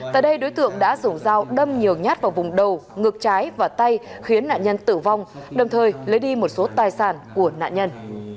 tại đây đối tượng đã dùng dao đâm nhiều nhát vào vùng đầu ngược trái và tay khiến nạn nhân tử vong đồng thời lấy đi một số tài sản của nạn nhân